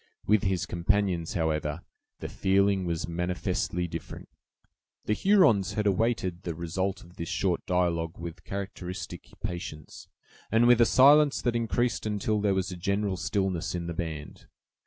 With his companions, however, the feeling was manifestly different. The Hurons had awaited the result of this short dialogue with characteristic patience, and with a silence that increased until there was a general stillness in the band.